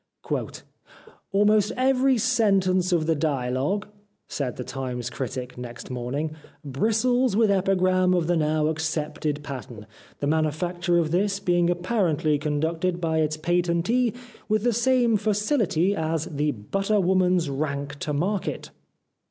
" Almost every sentence of the dialogue," said The Times critic next morning, " bristles with epigram of the now accepted pattern, the manufacture of this being apparently conducted by its patentee with the same facility as * the butterwoman's rank to market.'